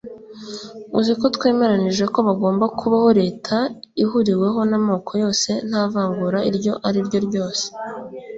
uzi ko twemeranije ko hagomba kubaho leta ihuriweho n’amoko yose nta vangura iryo ari ryo ryose